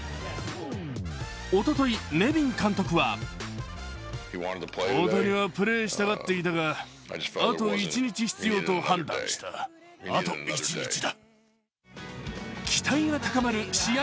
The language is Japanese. おととい、ネビン監督は期待が高まる試合